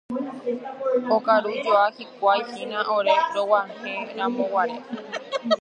Okarujoa hikuái hína ore rog̃uahẽramoguare.